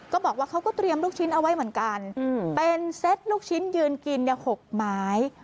ก็บอกว่าเขาก็เตรียมลูกชิ้นเอาไว้เหมือนกันเป็นเซ็ตลูกชิ้นยืนกิน๖ไม้